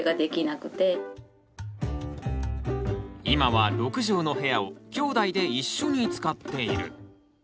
今は６畳の部屋をきょうだいで一緒に使っている。